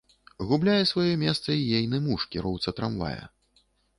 Губляе сваё месца й ейны муж, кіроўца трамвая.